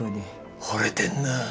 ほれてんなぁ！